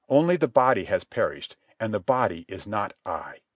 Only the body has perished, and the body is not I.